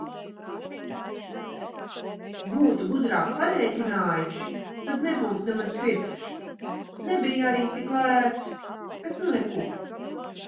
Būtu gudrāk parēķinājuši, tad nebūtu nemaz pirkuši. Nebija arī tik lēts, bet nu neko.